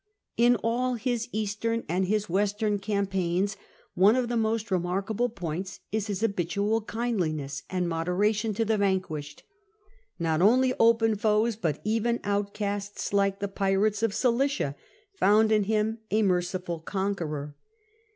In all his Kastern and his Western campaigns, one of the most remarkable points is . his habitual kindliness and moderation to the vanquishe.d, Not only open foreign foes, but even outcasts, like the pirates of Cilicia, found in him a merciful conqueror.